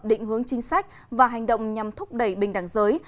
định hướng chính sách và hành động nhằm thúc đẩy bình đẳng giới